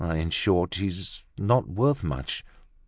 In short, he's not worth much.